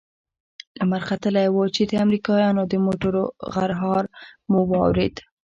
لمر ختلى و چې د امريکايانو د موټرو غرهار مو واورېد.